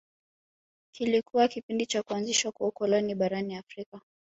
Kilikuwa kipindi cha kuanzishwa kwa ukoloni barani Afrika